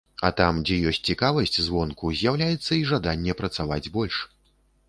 А там, дзе ёсць цікавасць звонку, з'яўляецца і жаданне працаваць больш.